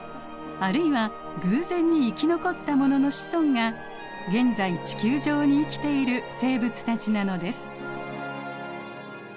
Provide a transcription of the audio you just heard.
あるいは偶然に生き残ったものの子孫が現在地球上に生きている生物たちなのです。